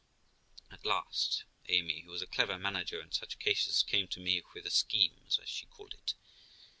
At last Amy, who was a clever manager in such cases, came to me with a scheme, as she called it.